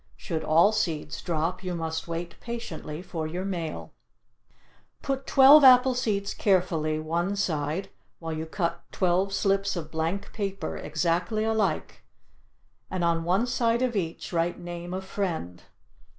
Should all seeds drop, you must wait patiently for your mail. Put twelve apple seeds carefully one side while you cut twelve slips of blank paper exactly alike, and on one side of each write name of friend.